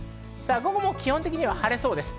午後も基本的には晴れそうです。